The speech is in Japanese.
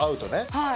はい。